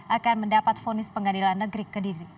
akan mendapat vonis pengadilan negeri kediri